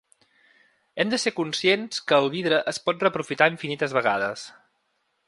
Hem de ser conscients que el vidre es pot reaprofitar infinites vegades.